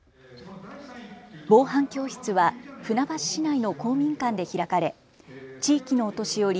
防犯教室は船橋市内の公民館で開かれ地域のお年寄り